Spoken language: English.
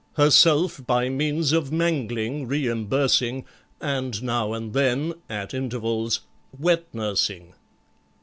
Herself by means of mangling reimbursing, And now and then (at intervals) wet nursing.